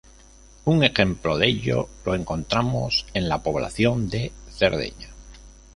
Un ejemplo de ello lo encontramos en la población de Cerdeña.